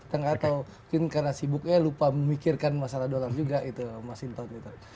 kita nggak tahu mungkin karena sibuknya lupa memikirkan masalah dolar juga mas inton